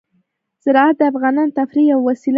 زراعت د افغانانو د تفریح یوه وسیله ده.